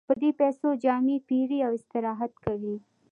په دې پیسو جامې پېري او استراحت کوي